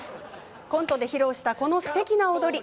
コントで披露したこのすてきな踊り。